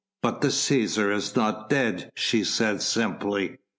"But the Cæsar is not dead," she said simply.